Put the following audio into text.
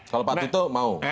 kalau pak tito mau